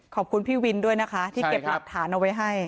ขอบคุณพี่วินด้วยนะคะที่เก็บหลักฐานเอาไว้ให้